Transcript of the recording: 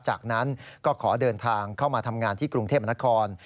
จากนั้นก็ขอเดินทางเข้ามาทำงานที่กรุงเทพนคร